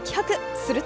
すると